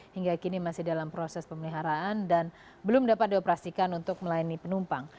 hingga kini masih dalam proses pemeliharaan dan belum dapat dioperasikan untuk melayani penumpang